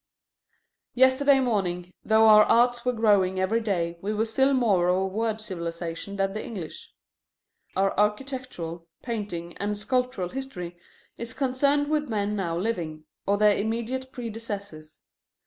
Yesterday morning, though our arts were growing every day, we were still more of a word civilization than the English. Our architectural, painting, and sculptural history is concerned with men now living, or their immediate predecessors.